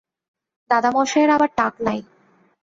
দাদামহাশয়ের আবার টাক নাই!